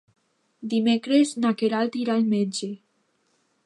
Dimecres na Queralt irà al metge.